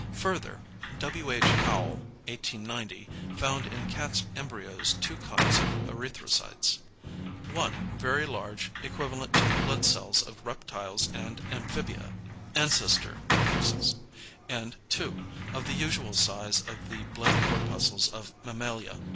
Further, W. H. Howell (1890) found in cats' embryoes two kinds of erythrocytes, (1) very large, equivalent to the blood cells of reptiles and amphibia ("ancestor corpuscles"), and (2) of the usual size of the blood corpuscles of mammalia.